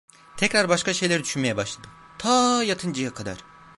Tekrar başka şeyler düşünmeye başladım: Taaa yatıncaya kadar.